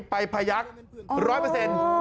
ไปพยักษ์๑๐๐